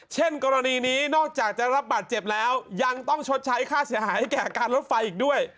เช่นกรณีนี้นอกจากจะรับบาดเจ็บแล้วยังต้องชดใช้ค่าเสียหายให้แก่การรถไฟอีกด้วย